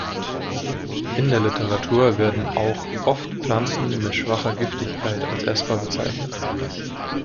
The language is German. In der Literatur werden auch oft Pflanzen mit schwacher Giftigkeit als essbar bezeichnet.